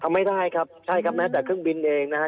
ไม่ได้ครับใช่ครับแม้แต่เครื่องบินเองนะฮะ